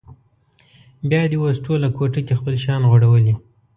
بیا دې اوس ټوله کوټه کې خپل شیان غوړولي.